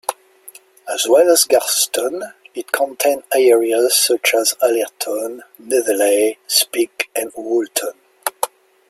As well as Garston, it contained areas such as Allerton, Netherley, Speke and Woolton.